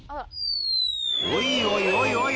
おいおい